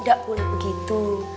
nggak boleh begitu